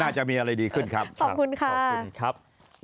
อาจจะมีอะไรดีขึ้นครับขอบคุณค่ะขอบคุณครับ